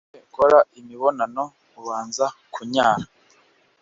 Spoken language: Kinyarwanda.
mbere gukora imibonano ubanza kunyara